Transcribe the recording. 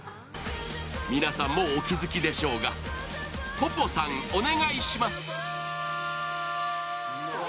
皆さん、もうお気づきでしょうが、ＰＯＰＯさん、お願いします。